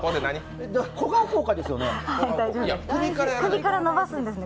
小顔効果ですよね？